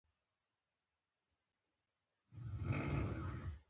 رساله تجهیز او تکفین هم ورسره چاپ ده.